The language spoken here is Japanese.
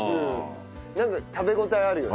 なんか食べ応えあるよね。